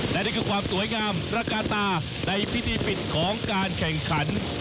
และนี่คือความสวยงามตระกาตาในพิธีปิดของการแข่งขัน